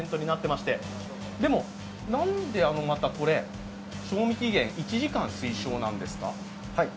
でも、なんでまたこれ、賞味期限１時間推奨なんですか？